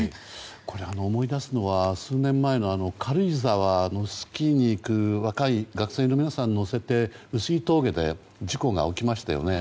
これ、思い出すのは数年前の軽井沢のスキーに行く若い学生の皆さんを乗せて碓氷峠で事故が起きましたよね。